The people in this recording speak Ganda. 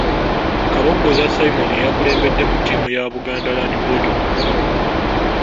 Kabogoza Simon y'eyakulembeddemu ttiimu ya Buganda Land Board ku mukolo.